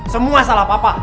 semua salah papa